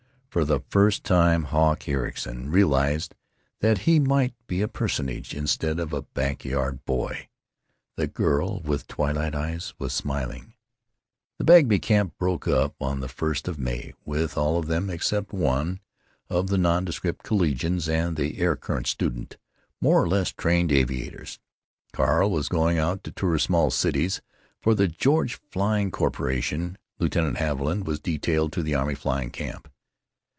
For the first time Hawk Ericson realized that he might be a Personage instead of a back yard boy.... The girl with twilight eyes was smiling. The Bagby camp broke up on the first of May, with all of them, except one of the nondescript collegians and the air current student, more or less trained aviators. Carl was going out to tour small cities, for the George Flying Corporation. Lieutenant Haviland was detailed to the army flying camp.